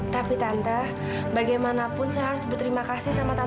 tapi tante bagaimanapun saya harus berterima kasih sama tante